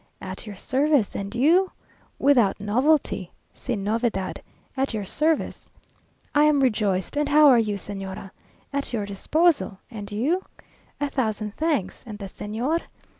"At your service, and you?" "Without novelty (sin novedad) at your service." "I am rejoiced, and how are you, Señora?" "At your disposal, and you?" "A thousand thanks, and the Señor?"